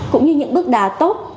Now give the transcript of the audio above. cũng như những bước đà tốt